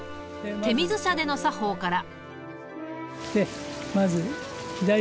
手水舎での作法から。